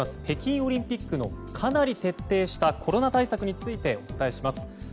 北京オリンピックのかなり徹底したコロナ対策についてお伝えします。